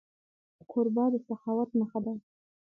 کوربه د سخاوت نښه ده.